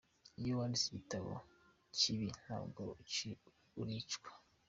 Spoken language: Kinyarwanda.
Iyo wanditse igitabo kibi nabwo uricwa ».